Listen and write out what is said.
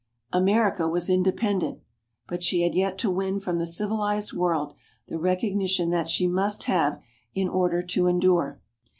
America was independent, but she had yet to win from the civilized world the recognition that she must have in order to endure.